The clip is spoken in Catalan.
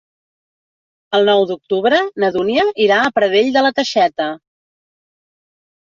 El nou d'octubre na Dúnia irà a Pradell de la Teixeta.